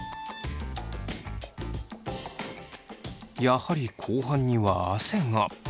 やはり後半には汗が。